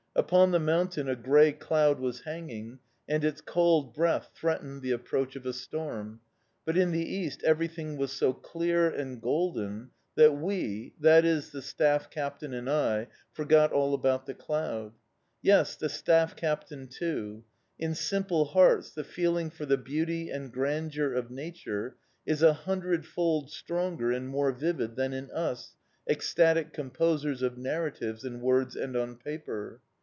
Upon the mountain a grey cloud was hanging, and its cold breath threatened the approach of a storm; but in the east everything was so clear and golden that we that is, the staff captain and I forgot all about the cloud... Yes, the staff captain too; in simple hearts the feeling for the beauty and grandeur of nature is a hundred fold stronger and more vivid than in us, ecstatic composers of narratives in words and on paper.